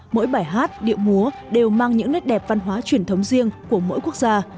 mỗi bài hát điệu múa đều mang những nét đẹp văn hóa truyền thống riêng của mỗi quốc gia